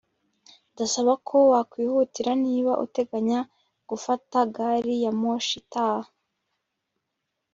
ndasaba ko wakwihutira niba uteganya gufata gari ya moshi itaha